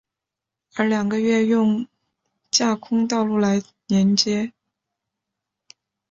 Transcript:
而两个月台用架空道路来连接。